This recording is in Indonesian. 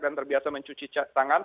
dan terbiasa mencuci tangan